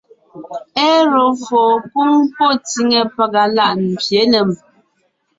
Éru fô kwóŋ pɔ́ ntsíŋ pàga láʼ mbyě nèm;